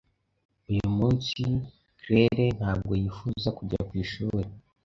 Uyu munsi, Claire ntabwo yifuza kujya ku ishuri.